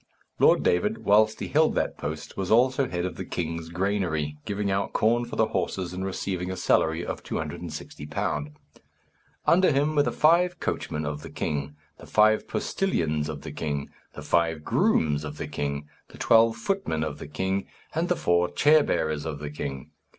Lord David, whilst he held that post, was also head of the king's granary, giving out corn for the horses and receiving a salary of £260. Under him were the five coachmen of the king, the five postilions of the king, the five grooms of the king, the twelve footmen of the king, and the four chair bearers of the king.